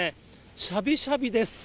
しゃびしゃびです。